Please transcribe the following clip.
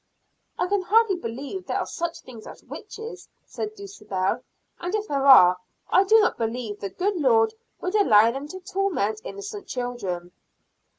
"I can hardly believe there are such things as witches," said Dulcibel, "and if there are, I do not believe the good Lord would allow them to torment innocent children."